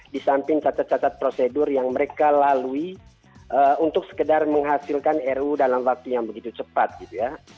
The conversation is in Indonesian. di samping cacat cacat prosedur yang mereka lalui untuk sekedar menghasilkan ru dalam waktu yang begitu cepat gitu ya